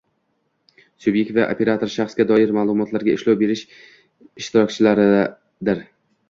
Subyekt va operator shaxsga doir ma’lumotlarga ishlov berish ishtirokchilaridir.